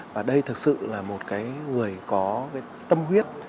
và đây thực sự là một cái người có cái tâm huyết